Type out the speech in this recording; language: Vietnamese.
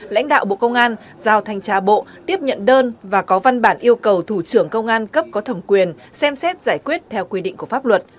lãnh đạo bộ công an giao thanh tra bộ tiếp nhận đơn và có văn bản yêu cầu thủ trưởng công an cấp có thẩm quyền xem xét giải quyết theo quy định của pháp luật